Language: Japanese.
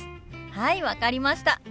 はい分かりました！